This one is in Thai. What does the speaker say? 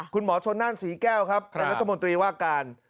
คุณหมอชนนั่นศรีแก้วครับเป็นรัฐมนตรีว่าการ